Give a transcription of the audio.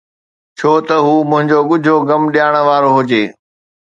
ڇو ته هو منهنجو ڳجهو غم ڏيارڻ وارو هجي؟